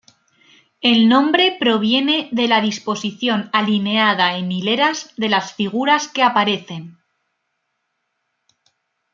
El nombre proviene de la disposición alineada en hileras de las figuras que aparecen.